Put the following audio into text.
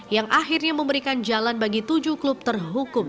yang akhirnya memberikan jalan bagi tujuh klub terhukum